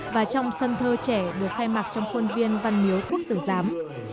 và trong sân thơ trẻ được khai mạc trong khuôn viên văn miếu quốc tử giám